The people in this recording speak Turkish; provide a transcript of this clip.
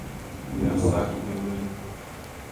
Biraz sakin olun.